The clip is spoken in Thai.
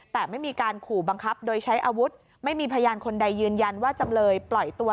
แต่ไม่มีการขู่บังคับโดยใช้อาวุธไม่มีพยานคนใดยืนยันว่าจำเลยปล่อยตัว